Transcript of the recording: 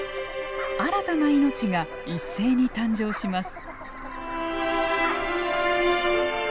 新たな命が一斉に誕生します。